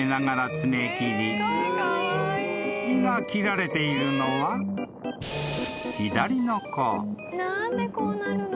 ［今切られているのは左の子］